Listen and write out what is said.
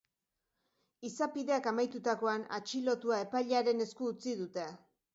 Izapideak amaitutakoan, atxilotua epailearen esku utzi dute.